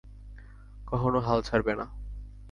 কখনো হাল ছাড়বে না।